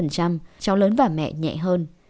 cháu lớn và mẹ nhẹ hơn